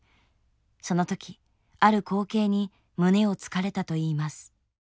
その時ある光景に胸をつかれたといいます。